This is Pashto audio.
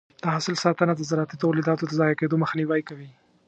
د حاصل ساتنه د زراعتي تولیداتو د ضایع کېدو مخنیوی کوي.